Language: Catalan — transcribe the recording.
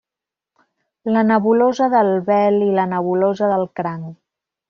La nebulosa del Vel i la nebulosa del Cranc.